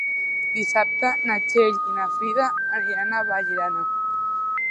Dissabte na Txell i na Frida aniran a Vallirana.